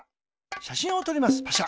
しゃしんをとりますパシャ。